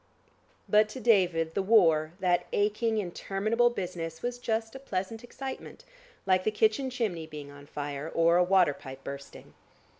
But to David the war, that aching interminable business was just a pleasant excitement, like the kitchen chimney being on fire, or a water pipe bursting.